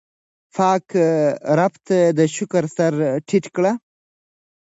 پاک رب ته د شکر سر ټیټ کړئ.